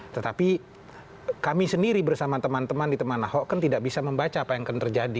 tetapi kami sendiri bersama teman teman di teman ahok kan tidak bisa membaca apa yang akan terjadi